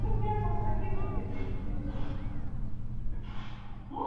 • واده د ټولو لپاره خوښي راوړي.